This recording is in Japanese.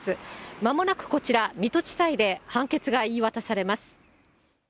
まもなくこちら、水戸地裁で判決が言い渡されます。